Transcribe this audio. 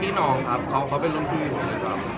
พี่น้องครับเขาเป็นร่วงที่มากเลยครับ